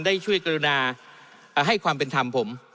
ได้ช่วยกรุณาให้ความเป็นธรรมผม